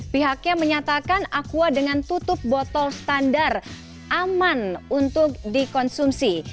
pihaknya menyatakan aqua dengan tutup botol standar aman untuk dikonsumsi